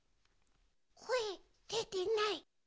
こえでてない。